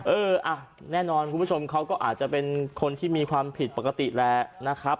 เอออ่ะแน่นอนคุณผู้ชมเขาก็อาจจะเป็นคนที่มีความผิดปกติแหละนะครับ